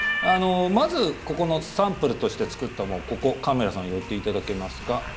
まず、ここのサンプルとして作ったここ、カメラさん寄っていただけますか。